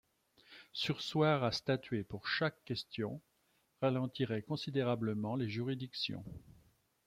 Surseoir à statuer pour chaque question ralentirait considérablement les juridictions.